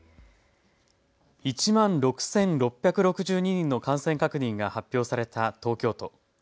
１万６６６２人の感染確認が発表された東京都。